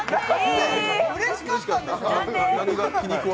うれしかったんでしょ！？